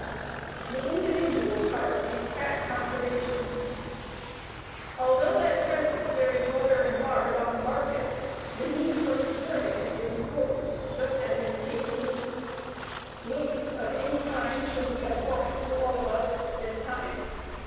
The Individual's Part in Fat Conservation. Although at present there is butter and lard on the market, the need for conserving it is important, just as in the case of meat. WASTE OF ANY KIND SHOULD BE ABHORRENT TO ALL OF US AT THIS TIME.